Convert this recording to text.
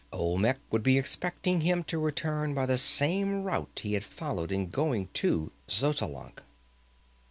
Olmec would be expecting him to return by the same route he had followed in going to Xotalanc.